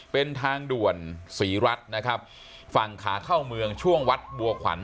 เป็นทางด่วนศรีรัฐนะครับฝั่งขาเข้าเมืองช่วงวัดบัวขวัญ